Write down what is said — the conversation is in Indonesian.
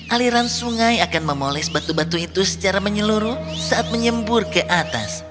aliran sungai akan memoles batu batu itu secara menyeluruh saat menyembur ke atas